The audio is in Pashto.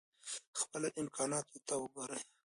خپلو امکاناتو ته وګورئ.